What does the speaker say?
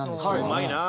うまいな！